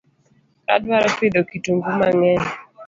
Adwaro pidho kitungu mangeny